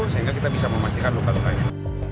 sehingga kita bisa memastikan luka lukanya